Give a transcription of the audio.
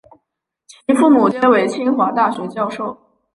其父母皆为清华大学教授。